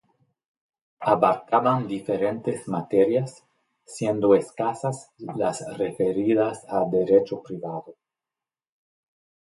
Abarcaban diferentes materias, siendo escasas las referidas a derecho privado.